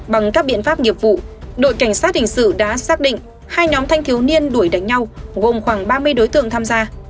bằng các biện pháp nghiệp vụ đội cảnh sát hình sự đã xác định hai nhóm thanh thiếu niên đuổi đánh nhau gồm khoảng ba mươi đối tượng tham gia